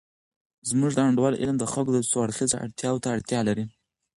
زمونږ د انډول علم د خلګو څو اړخیزه اړتیاوو ته اړتیا لري.